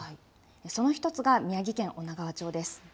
その一つが宮城県女川町です。